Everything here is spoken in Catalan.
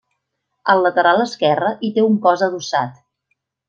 Al lateral esquerre hi té un cos adossat.